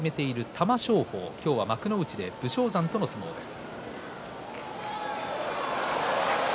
玉正鳳、今日は幕内で武将山との相撲です。